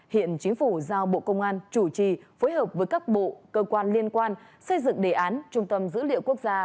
hiện chính phủ giao bộ công an chủ trì phối hợp với các bộ cơ quan liên quan xây dựng đề án trung tâm dữ liệu quốc gia